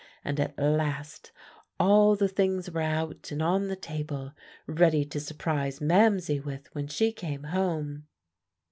And at last all the things were out and on the table ready to surprise Mamsie with when she came home.